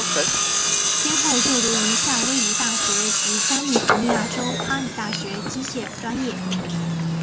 先后就读于夏威夷大学及加利福尼亚州哈里大学机械专业。